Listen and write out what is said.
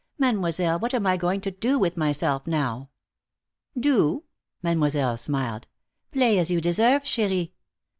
"Mademoiselle, what am I going to do with myself, now?" "Do?" Mademoiselle smiled. "Play, as you deserve, Cherie.